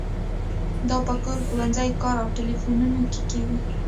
دا په کور، ښوونځي، کار او تیلیفون کې کیږي.